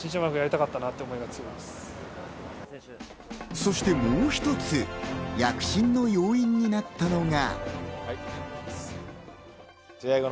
そしてもう一つ、躍進の要因となったのが。